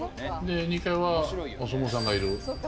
２階はお相撲さんがいる。